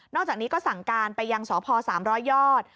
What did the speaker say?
อกจากนี้ก็สั่งการไปยังสพ๓๐๐ยอด